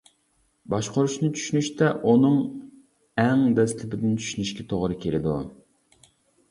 باشقۇرۇشنى چۈشىنىشتە ئۇنىڭ ئەڭ دەسلىپىدىن چۈشىنىشكە توغرا كېلىدۇ.